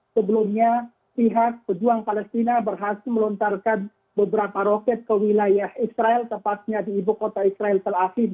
sebelumnya pihak pejuang palestina berhasil melontarkan beberapa roket ke wilayah israel tepatnya di ibu kota israel tel aviv